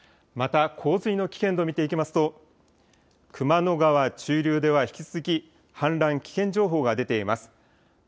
また洪水の危険度、見ていきますと熊野川中流では引き続き氾濫危険情報が出ています。